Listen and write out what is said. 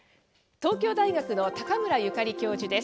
東京大学の高村ゆかり教授です。